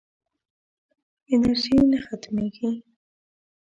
انرژي نه ختمېږي.